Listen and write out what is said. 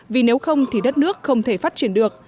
vì nếu không thì đất nước không thể phát triển được